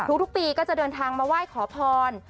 ทุกปีก็จะเดินทางมาไหว้ขอพร